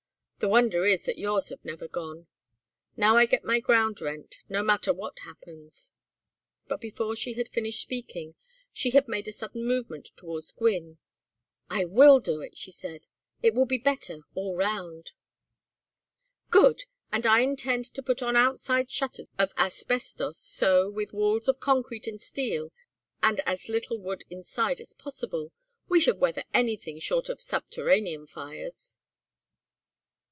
The wonder is that yours have never gone. Now I get my ground rent, no matter what happens." But before she had finished speaking she had made a sudden movement towards Gwynne. "I will do it," she said. "It will be better all round." "Good! And I intend to put on outside shutters of asbestos, so, with walls of concrete and steel, and as little wood inside as possible, we should weather anything short of subterranean fires."